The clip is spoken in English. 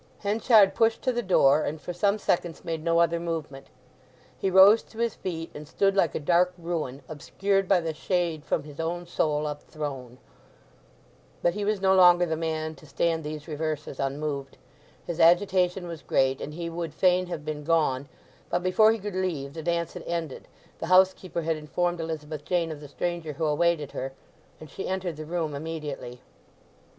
Henchard pushed to the door, and for some seconds made no other movement. He rose to his feet, and stood like a dark ruin, obscured by "the shade from his own soul up thrown." But he was no longer the man to stand these reverses unmoved. His agitation was great, and he would fain have been gone, but before he could leave the dance had ended, the housekeeper had informed Elizabeth Jane of the stranger who awaited her, and she entered the room immediately.